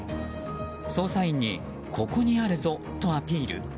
捜査員にここにあるぞとアピール。